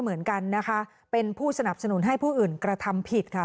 เหมือนกันนะคะเป็นผู้สนับสนุนให้ผู้อื่นกระทำผิดค่ะ